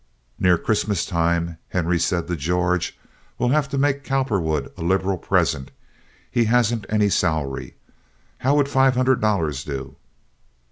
Near Christmas time Henry said to George: "We'll have to make Cowperwood a liberal present. He hasn't any salary. How would five hundred dollars do?"